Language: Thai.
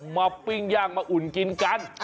มาปิ้งยั่งอุ่นกินกัน